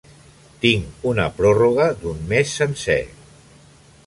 Tinc una pròrroga d'un mes sencer.